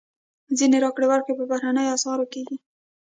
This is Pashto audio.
ځینې راکړې ورکړې په بهرنیو اسعارو کېږي.